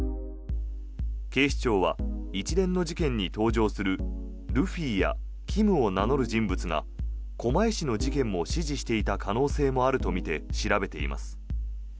警視庁は、一連の事件に登場するルフィやキムを名乗る人物が狛江市の事件も指示していた可能性もあるとみて調べています。